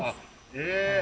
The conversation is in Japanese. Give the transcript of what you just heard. え。